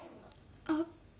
あっ。